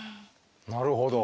なるほど。